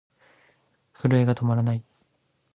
震えが止まらない。